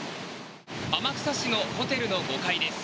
天草市のホテルの５階です。